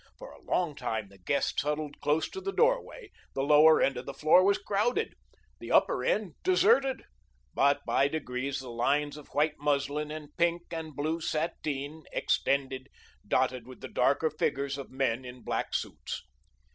For a long time the guests huddled close to the doorway; the lower end of the floor was crowded! the upper end deserted; but by degrees the lines of white muslin and pink and blue sateen extended, dotted with the darker figures of men in black suits.